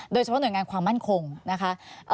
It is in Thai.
โดยเฉพาะหน่วยงานความมั่นคงนะคะ